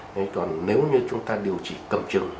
thế còn nếu như chúng ta điều trị cầm chừng